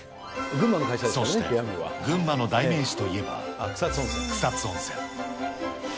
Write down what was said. そして群馬の代名詞といえば、草津温泉。